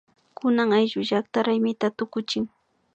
Kunan ayllullakta raymita tukuchin